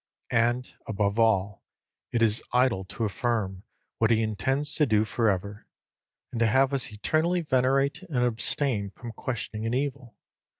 And, above all, it is idle to affirm what he intends to do for ever, and to have us eternally venerate and abstain from questioning an evil.